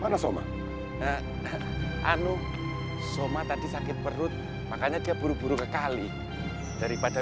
mana soma anu soma tadi sakit perut makanya dia buru buru sekali daripada